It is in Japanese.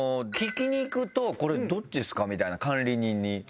聞きにいくと「これどっちですか？」みたいな管理人に。